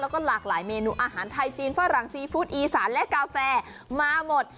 แล้วก็หลากหลายเมนูอาหารไทยจีนฝรั่งซีฟู้ดอีสานและกาแฟมาหมด